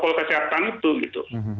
protokol kesehatan itu gitu